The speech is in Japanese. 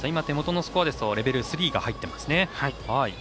手元のスコアですとレベル３が入っていますね。